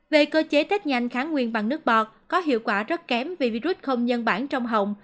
về cơ chế tết nhanh kháng nguyên bằng nước bọt có hiệu quả rất kém vì virus không nhân bản trong hồng